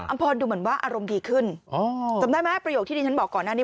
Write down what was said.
พรดูเหมือนว่าอารมณ์ดีขึ้นจำได้ไหมประโยคที่ดิฉันบอกก่อนหน้านี้